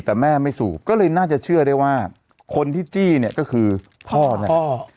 แต่แม่ไม่สูบก็เลยน่าจะเชื่อได้ว่าคนที่จี้เนี่ยก็คือพ่อเนี่ย